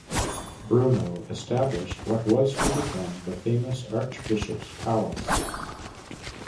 Bruno established what was to become the famous Archbishop's Palace.